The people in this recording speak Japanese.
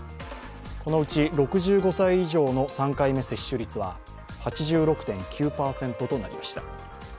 このうち６５歳以上の３回目接種率は８６．９％となりました。